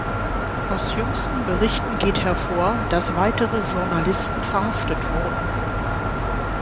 Aus jüngsten Berichten geht hervor, dass weitere Journalisten verhaftet wurden.